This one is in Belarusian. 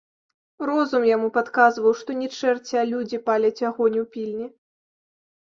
Розум яму падказваў, што не чэрці, а людзі паляць агонь у пільні.